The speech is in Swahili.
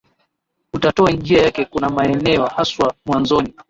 utatoa njia yake Kuna maeneo haswa mwanzoni